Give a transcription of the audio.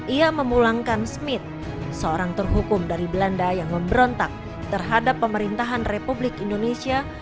ia memulangkan smith seorang terhukum dari belanda yang memberontak terhadap pemerintahan republik indonesia